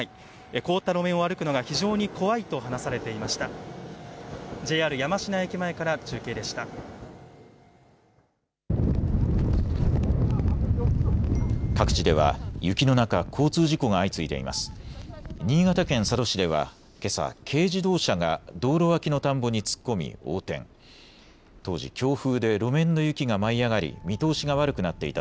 凍った路面を歩くのが非常に怖いと話されていました。